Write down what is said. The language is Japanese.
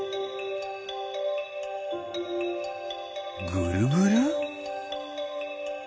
ぐるぐる？